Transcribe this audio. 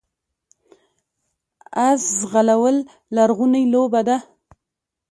اس ځغلول لرغونې لوبه ده